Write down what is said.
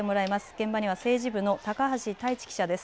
現場には政治部の高橋太一記者です。